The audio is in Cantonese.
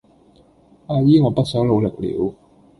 阿姨我不想努力了